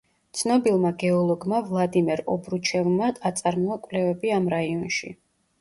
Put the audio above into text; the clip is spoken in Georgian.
ცნობილმა გეოლოგმა ვლადიმერ ობრუჩევმა აწარმოა კვლევები ამ რაიონში.